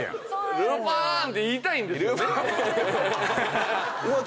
「ルパーン！」って言いたいんですよね。